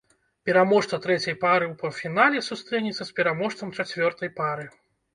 Пераможца трэцяй пары ў паўфінале сустрэнецца з пераможцам чацвёртай пары.